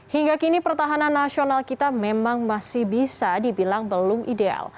hingga kini pertahanan nasional kita memang masih bisa dibilang belum ideal